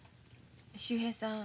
秀平さん